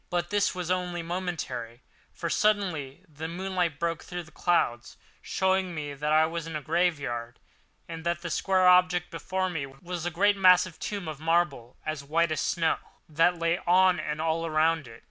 But this was only momentarily; for suddenly the moonlight broke through the clouds, showing me that I was in a graveyard, and that the square object before me was a great massive tomb of marble, as white as the snow that lay on and all around it.